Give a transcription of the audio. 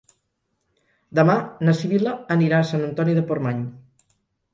Demà na Sibil·la anirà a Sant Antoni de Portmany.